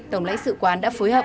tổng lãnh sự quán đã phối hợp